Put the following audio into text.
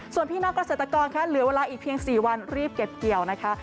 ส่วนพี่น้องเกษตรกรค่ะเหลือเวลาอีกเพียง๔วันรีบเก็บเกี่ยวนะคะ